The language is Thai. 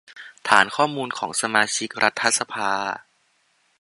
ฐานข้อมูลของสมาชิกรัฐสภา